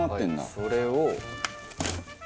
それを。